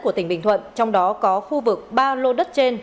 của tỉnh bình thuận trong đó có khu vực ba lô đất trên